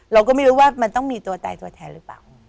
เราก็ไม่รู้ว่ามันต้องมีตัวตายตัวแทนหรือเปล่า